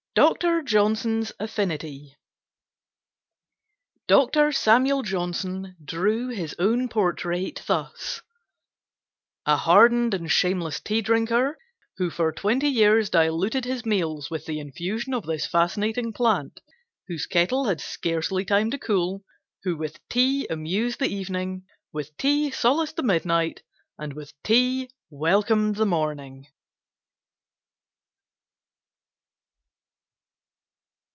DR. JOHNSON'S AFFINITY DR. SAMUEL JOHNSON drew his own portrait thus: "A hardened and shameless tea drinker, who for twenty years diluted his meals with the infusion of this fascinating plant; whose kettle had scarcely time to cool; who with tea amused the evening, with tea solaced the midnight, and with tea welcomed the morning."